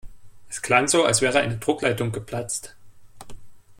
Es klang so, als wäre eine Druckleitung geplatzt.